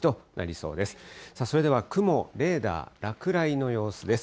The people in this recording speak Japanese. それでは雲、レーダー、落雷の様子です。